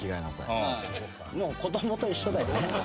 「もう子供と一緒だよね」